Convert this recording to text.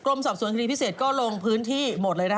กรมสอบสวนคดีพิเศษก็ลงพื้นที่หมดเลย